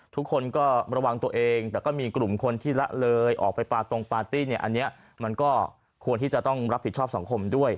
ทุกคนก็ระวังตัวเองแต่ก็มีกลุ่มคนที่ละเลยออกไปปาตรงปาร์ตี้เนี่ยอันนี้มันก็ควรที่จะต้องรับผิดชอบสังคมด้วย